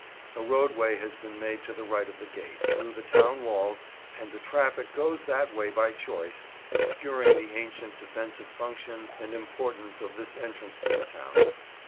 A roadway has been made to the right of the gate, through the town walls, and the traffic goes that way by choice, obscuring the ancient defensive function and importance of this entrance to the town.